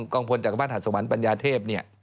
กองพลจักรบาทหัสวรรค์ปัญญาเทพ